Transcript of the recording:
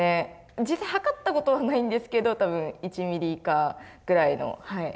実際測ったことはないんですけど多分１ｍｍ以下ぐらいのはい薄さだと思います。